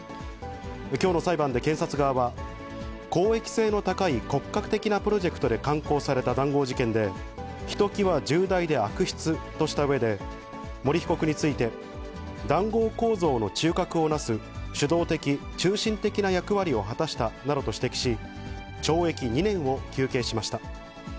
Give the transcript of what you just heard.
きょうの裁判で検察側は、公益性の高い国家的なプロジェクトで敢行された談合事件で、ひときわ重大で悪質としたうえで、森被告について、談合構造の中核をなす主導的・中心的な役割を果たしたなどと指摘し、懲役２年を求刑しました。